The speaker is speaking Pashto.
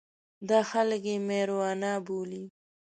دا خلک یې مېروانا بولي.